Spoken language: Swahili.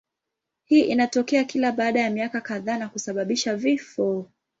Hii inatokea kila baada ya miaka kadhaa na kusababisha vifo.